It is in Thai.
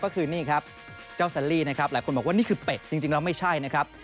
ก็คือนี่ครับเจ้าแซลลี่นะครับหลายคนบอกว่านี่คือเป็ดจริงแล้วไม่ใช่นะครับ